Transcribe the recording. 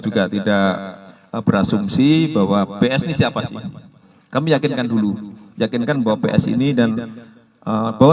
juga tidak berasumsi bahwa ps ini siapa sih kami yakinkan dulu yakinkan bahwa ps ini dan bahwa